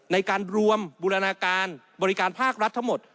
ในการรวมบูรณาการบริการภาครัฐทั้งหมด